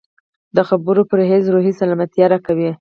د خبرو پرهېز روحي سلامتیا راکوي.